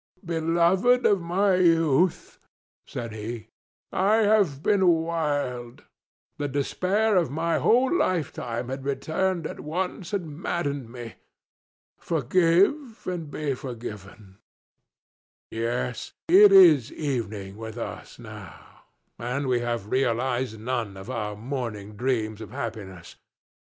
"Beloved of my youth," said he, "I have been wild. The despair of my whole lifetime had returned at once and maddened me. Forgive and be forgiven. Yes; it is evening with us now, and we have realized none of our morning dreams of happiness.